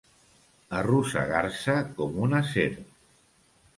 Arrossegar-se com una serp.